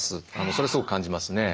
それすごく感じますね。